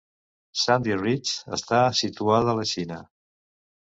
Sandy Ridge està situada a la Xina.